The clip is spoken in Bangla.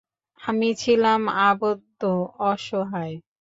আমি ছিলাম আবদ্ধ, অসহায়।